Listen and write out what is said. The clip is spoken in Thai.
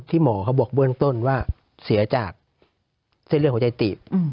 หมอเขาบอกเบื้องต้นว่าเสียจากเส้นเลือดหัวใจตีบ